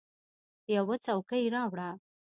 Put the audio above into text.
یوه څوکۍ راوړه !